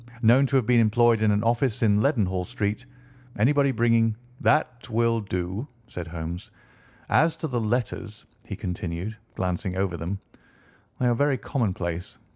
Known to have been employed in an office in Leadenhall Street. Anybody bringing," &c, &c. "That will do," said Holmes. "As to the letters," he continued, glancing over them, "they are very commonplace.